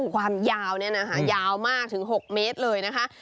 ความยาวเนี่ยนะคะยาวมากถึง๖เมตรเลยนะคะ